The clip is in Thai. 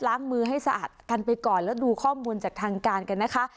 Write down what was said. ล้างมือให้สะอาดกันไปก่อนแล้วดูข้อมูลจากทางการกันนะคะ